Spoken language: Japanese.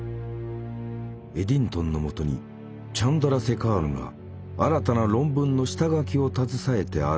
エディントンのもとにチャンドラセカールが新たな論文の下書きを携えて現れた。